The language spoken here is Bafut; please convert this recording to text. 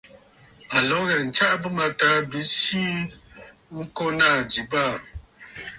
À lǒ ŋghɛ̀ɛ̀ ǹtsaʼa bɨ̂mâtaà bi sii ŋko naà ji baà.